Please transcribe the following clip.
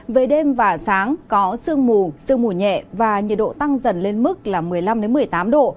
về đêm và sáng có sương mù sương mù nhẹ và nhiệt độ tăng dần lên mức là một mươi năm một mươi tám độ